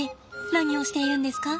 何をしているんですか？